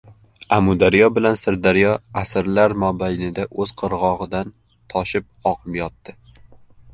Amudaryo bilan Sirdaryo asrlar mobaynida o‘z qirg‘og‘idan toshib oqib yotdi.